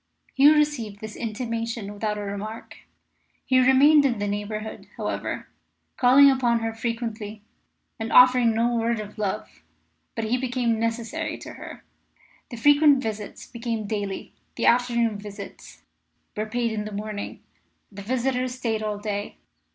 Hugh received this intimation without a remark. He remained in the neighbourhood, however, calling upon her frequently and offering no word of love. But he became necessary to her. The frequent visits became daily; the afternoon visits were paid in the morning: the visitor stayed all day.